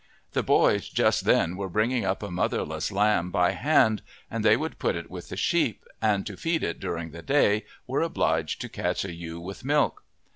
The boys just then were bringing up a motherless lamb by hand and they would put it with the sheep, and to feed it during the day were obliged to catch a ewe with milk.